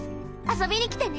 遊びに来てね。